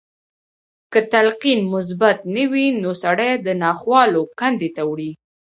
که تلقين مثبت نه وي نو سړی د ناخوالو کندې ته وړي.